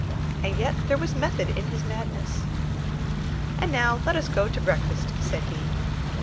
And yet there was method in his madness. "And now let us go to breakfast," said he.